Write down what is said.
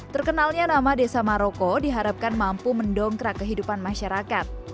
terkenalnya nama desa maroko diharapkan mampu mendongkrak kehidupan masyarakat